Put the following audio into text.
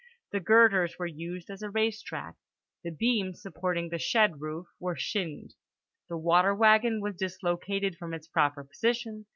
The girders were used as a race track. The beams supporting the shed roof were shinned. The water wagon was dislocated from its proper position.